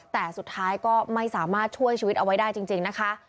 แต่สุดท้ายก็ไม่สามารถช่วยชีวิตเอาไว้ได้จริงนะคะ